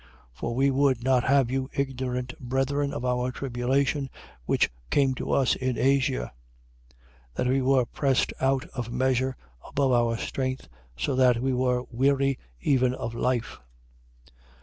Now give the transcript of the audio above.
1:8. For we would not have you ignorant, brethren, of our tribulation which came to us in Asia: that we were pressed out of measure above our strength, so that we were weary even of life.